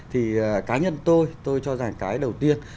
thì cá nhân tôi tôi cho rằng cái đầu tiên